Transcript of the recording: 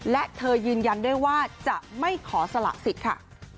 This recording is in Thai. และเธอยืนยันด้วยว่าจะไม่ขอสละสิทธิ์ค่ะ